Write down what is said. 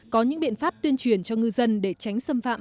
có những biện pháp tuyên truyền cho ngư dân để tránh xâm phạm